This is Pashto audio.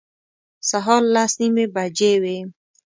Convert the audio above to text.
سهار لس نیمې بجې وې.